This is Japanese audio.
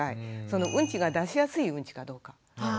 うんちが出しやすいうんちかどうか。